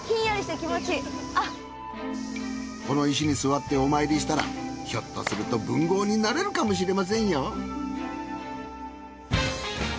この石に座ってお参りしたらひょっとすると文豪になれるかもしれませんよ